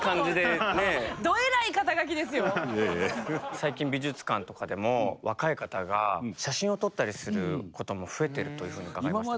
最近美術館とかでも若い方が写真を撮ったりすることも増えてるというふうに伺いました。